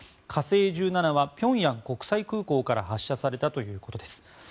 「火星１７」はピョンヤン国際空港から発射されたということです。